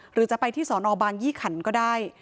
หรือจะไปที่สอนอบางยี่ขันก็ได้